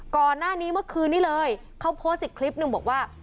ก่อนหน้านี้เมื่อคืนนี้เลยเขาโพสต์อีกคลิปหนึ่งบอกว่า